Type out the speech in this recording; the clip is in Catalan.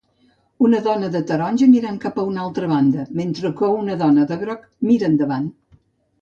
Una dona de taronja mirant cap a una altra banda mentre una dona de groc mira endavant